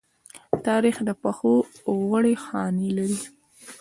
تاریخ د پښو غوړې خاڼې لري.